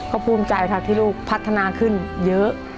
ก็ภูมิใจค่ะที่ลูกพัฒนาขึ้นเยอะ